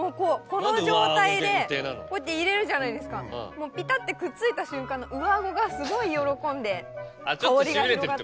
この状態でこうやって入れるじゃないですかピタってくっついた瞬間の上顎がすごい喜んで香りが広がって。